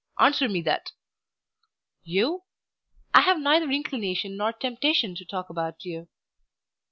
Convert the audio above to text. answer me that!" "You? I have neither inclination nor temptation to talk about you."